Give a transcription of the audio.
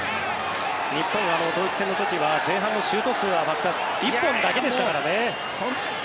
日本はドイツ戦の時前半のシュート数は１本だけでしたからね。